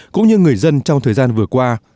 cũng như người dân trong thời gian vừa qua